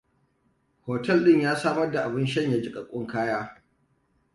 Hotel din ya samar da abin shanya jikakkun kaya.